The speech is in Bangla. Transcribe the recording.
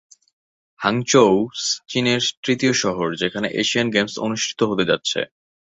হাংচৌ চীনের তৃতীয় শহর যেখানে এশিয়ান গেমস অনুষ্ঠিত হতে যাচ্ছে।